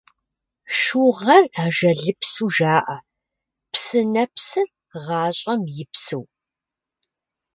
Шыугъэр ажалыпсу жаӀэ, псынэпсыр – гъащӀэм и псыу.